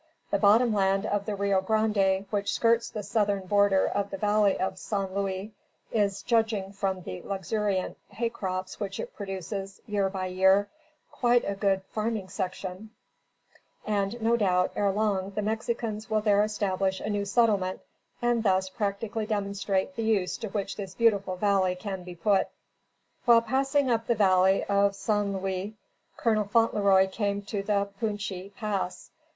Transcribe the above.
The bottom land of the Rio Grande which skirts the southern border of the valley of San Luis, is, judging from the luxuriant hay crops which it produces, year by year, quite a good farming section; and, no doubt, ere long, the Mexicans will there establish a new settlement and thus practically demonstrate the use to which this beautiful valley can be put. While passing up the valley of San Luis, Colonel Fauntleroy came to the Punchi Pass.